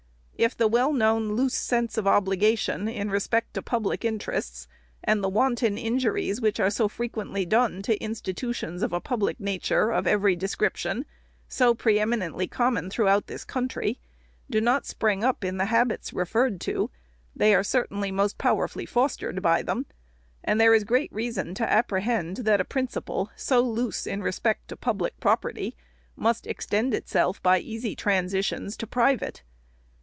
If the well known loose sense of obligation in respect to public interests, and the wanton injuries which are so frequently done to institu tions of a public nature of every description, so pre eminently common throughout this country, do not spring up in the habits referred to, they are certainly most powerfully fostered by them; and there is great reason to apprehend, that a principle so loose in respect to public property, must extend itself by easy transitions to private.